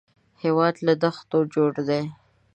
هېواد له دښتو جوړ دی